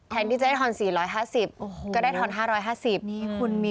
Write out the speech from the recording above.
แทนที่จะได้ทอน๔๕๐ก็ได้ทอน๕๕๐